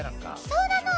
そうなの！